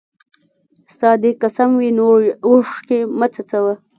ستا! دي قسم وي نوري اوښکي مه څڅوه